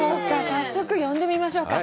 早速、呼んでみましょうか。